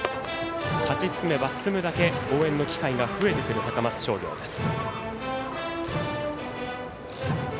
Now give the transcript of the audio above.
勝ち進めば進むだけ応援の機会が増えてくる高松商業です。